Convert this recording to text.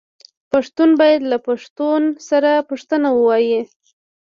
پښتون باید له پښتون سره پښتو ووايي